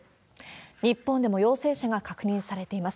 日本でも陽性者が確認されています。